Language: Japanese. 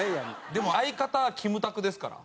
でも相方キムタクですから。